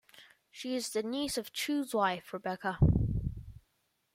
She is the niece of Choo's wife, Rebecca.